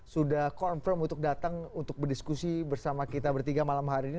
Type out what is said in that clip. sudah confirm untuk datang untuk berdiskusi bersama kita bertiga malam hari ini